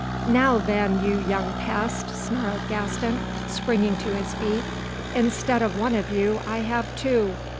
"Now, then, you young pest!" snarled Gaston, springing to his feet. "Instead of one of you, I have two.